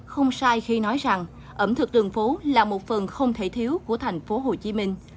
không sai khi nói rằng ẩm thực đường phố là một phần không thể thiếu của thành phố hồ chí minh